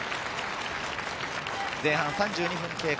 前半３２分経過。